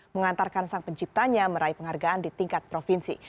mengantarkan sang penciptanya meraih penghargaan di tingkat provinsi